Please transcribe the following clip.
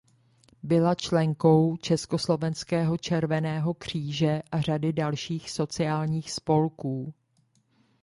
Byla členkou Československého červeného kříže a řady dalších sociálních spolků.